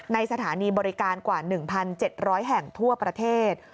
สถานีบริการกว่า๑๗๐๐แห่งทั่วประเทศ